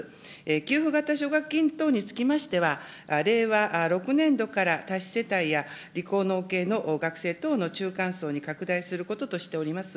給付型奨学金等につきましては、令和６年度から多子世帯や理工農系の学生等の中間層に拡大することとしております。